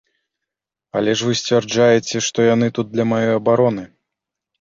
Але ж вы сцвярджаеце, што яны тут для маёй абароны.